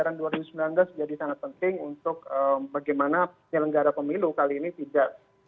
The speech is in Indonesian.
anggaran dua ribu sembilan belas jadi sangat penting untuk bagaimana penyelenggara pemilu kali ini tidak